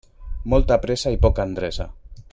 Molta pressa i poca endreça.